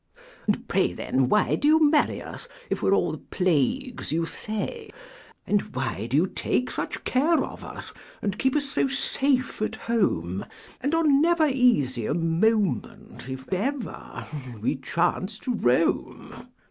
And pray, then, why do you marry us, If we're all the plagues you say? And why do you take such care of us, And keep us so safe at home, And are never easy a moment If ever we chance to roam?